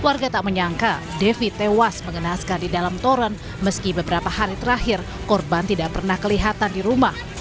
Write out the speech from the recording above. warga tak menyangka devi tewas mengenaskan di dalam toren meski beberapa hari terakhir korban tidak pernah kelihatan di rumah